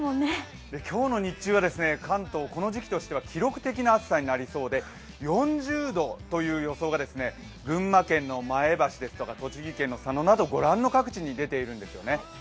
今日の日中は関東、この時期としては記録的な暑さになりそうで４０度という予想が群馬県の前橋ですとか栃木県の佐野など御覧の各地に出ているんですよね。